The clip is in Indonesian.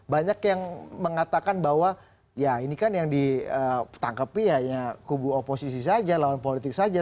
banyak yang mengatakan bahwa ya ini kan yang ditangkapi hanya kubu oposisi saja lawan politik saja